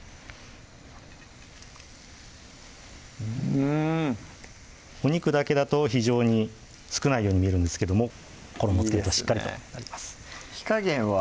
うんお肉だけだと非常に少ないように見えるんですけども衣付けるとしっかりとなります火加減は？